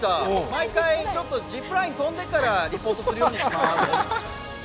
毎回、ジップライン飛んでからリポートするようにします。